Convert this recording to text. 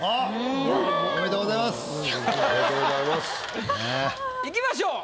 うわ。いきましょう。